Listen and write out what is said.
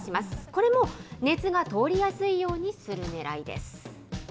これも熱が通りやすいようにするねらいです。